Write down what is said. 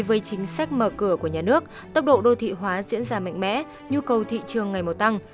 với chính sách mở cửa của nhà nước tốc độ đô thị hóa diễn ra mạnh mẽ nhu cầu thị trường ngày mùa tăng